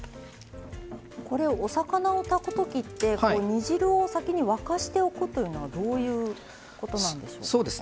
お魚を炊くときって煮汁を先に沸かしておくというのはどういうことなんでしょうか？